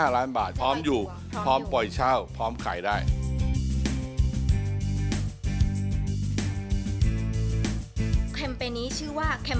คัมเปญนี้ชื่อว่าคัมเปญ